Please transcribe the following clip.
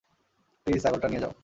Please, ছাগলটা নিয়ে যাও।